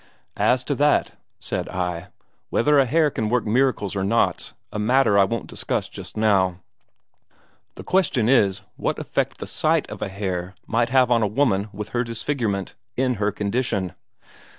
'As to that,' said I, 'whether a hare can work miracles or not's a matter I won't discuss just now. The question is, what effect the sight of a hare might have on a woman with her disfigurement, in her condition.'